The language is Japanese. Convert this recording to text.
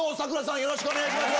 よろしくお願いします。